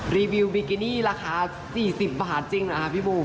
รีวิวบิกินี่ราคา๔๐บาทจริงนะคะพี่บู